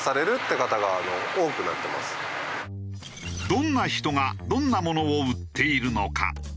どんな人がどんなものを売っているのか？